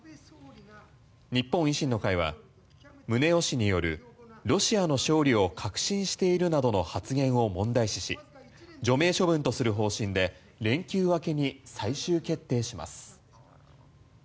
日本維新の会は宗男氏によるロシアの勝利を確信しているなどの発言を問題視し除名処分とする方針で連休明けに最終決定します。